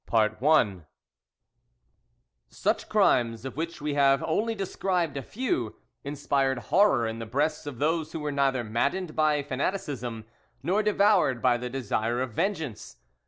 CHAPTER III Such crimes, of which we have only described a few, inspired horror in the breasts of those who were neither maddened by fanaticism nor devoured by the desire of vengeance.